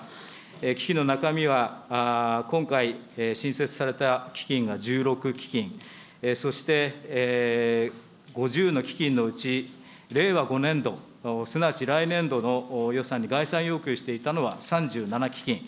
基金の中身は今回、新設された基金が１６基金、そして５０の基金のうち、令和５年度すなわち来年度の予算に概算要求していたのは３７基金。